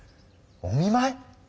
お見まい？